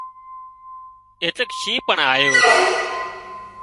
ايٽليڪ شِينهن پڻ آيو رو